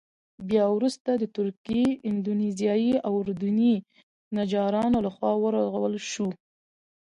بیا وروسته د تركي، اندونيزيايي او اردني نجارانو له خوا ورغول شو.